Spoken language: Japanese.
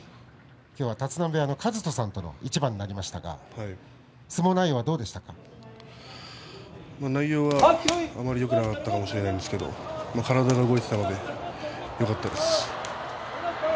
今日は立浪部屋の一翔さんとの一番でした相撲内容は内容はあまりよくなかったんですけれども体が動いていたのでよかったです。